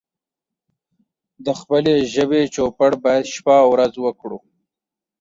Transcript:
د خپلې ژبې چوپړ بايد شپه او ورځ وکړو